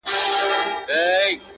خدايه هغه داسي نه وه.